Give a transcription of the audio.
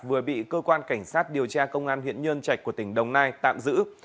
vừa bị cơ quan cảnh sát điều tra công an huyện nhân trạch của tỉnh đồng nai tạm giữ